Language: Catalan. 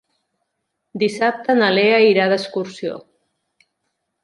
Dissabte na Lea irà d'excursió.